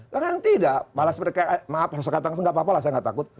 yang tidak malah seperti maaf rosak tangan enggak apa apa lah saya enggak takut